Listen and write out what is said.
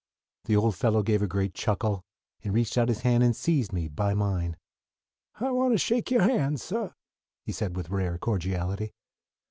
The old fellow gave a great chuckle, and reached out his hand and seized me by mine. "I want to shake your hand, suh," he said with rare cordiality.